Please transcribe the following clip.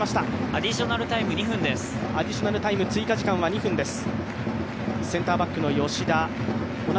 アディショナルタイム追加時間は２分です。